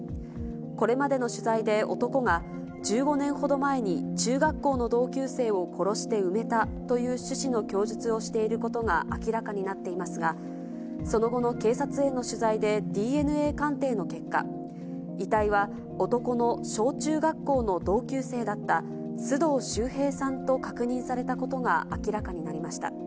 これまでの取材で男が、１５年ほど前に中学校の同級生を殺して埋めたという趣旨の供述をしていることが明らかになっていますが、その後の警察への取材で、ＤＮＡ鑑定の結果、遺体は男の小中学校の同級生だった、須藤秀平さんと確認されたことが明らかになりました。